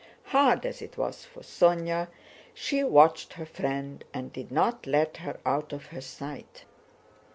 Hard as it was for Sónya, she watched her friend and did not let her out of her sight.